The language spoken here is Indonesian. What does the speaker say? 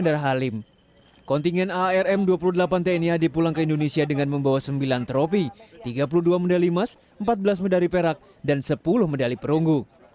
raihan tni ada yang pulang dengan membawa sembilan tropi tiga puluh dua medali emas empat belas medali perak dan sepuluh medali perungku